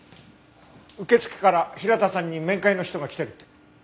受付から平田さんに面会の人が来てるって。